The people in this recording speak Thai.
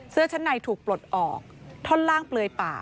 เสื้อชั้นในถูกปลดออกท่อนล่างเปลือยป่า